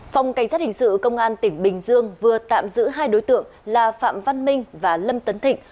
phòng cảnh sát hình sự công an tỉnh bình dương vừa tạm giữ hai đối tượng là phạm văn minh và lâm tấn thịnh